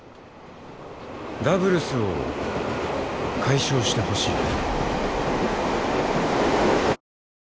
ダブルスを解消してほしい。